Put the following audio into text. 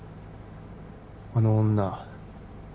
あの女